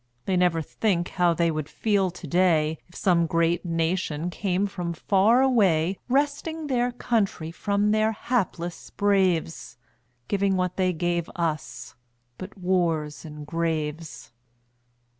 They never think how they would feel to day, If some great nation came from far away, Wresting their country from their hapless braves, Giving what they gave us but wars and graves.